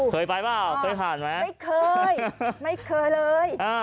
เคยไปเปล่าเคยผ่านไหมไม่เคยไม่เคยเลย